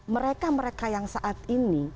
mereka mereka yang saat ini